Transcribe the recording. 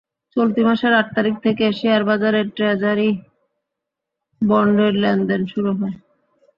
চলতি মাসের আট তারিখ থেকে শেয়ারবাজারে ট্রেজারি বন্ডের লেনদেন শুরু হয়।